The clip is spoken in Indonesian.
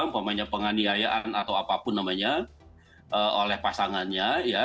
apa namanya penganiayaan atau apapun namanya oleh pasangannya